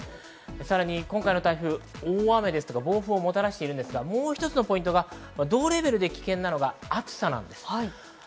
さらに今回の台風、大雨・暴風をもたらしていますが、もう一つのポイントが同レベルで危険なのが暑さです。